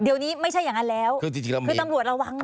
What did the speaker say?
เดี๋ยวนี้ไม่ใช่อย่างนั้นแล้วคือตำรวจระวัง